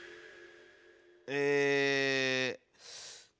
え。